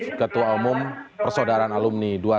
selamat malam pak selamat malam pak